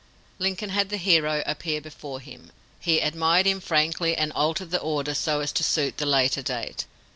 Lincoln had the hero appear before him. He admired him frankly and altered the order so as to suit the later date.